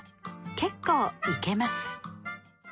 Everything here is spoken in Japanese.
結構いけます